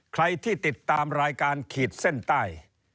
ใครที่ติดตามรายการขีดเส้นใต้